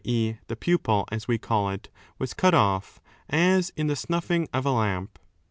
e. the pupil as we call it, was cut off, as in the snuffing of a i8 lamp.